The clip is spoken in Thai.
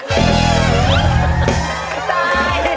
ตั๊กไม่เท่าไหร่